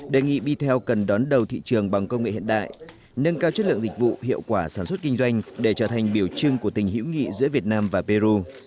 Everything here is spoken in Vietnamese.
đề nghị bitel cần đón đầu thị trường bằng công nghệ hiện đại nâng cao chất lượng dịch vụ hiệu quả sản xuất kinh doanh để trở thành biểu trưng của tình hữu nghị giữa việt nam và peru